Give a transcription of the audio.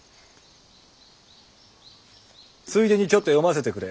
ついでにちょっと読ませてくれ。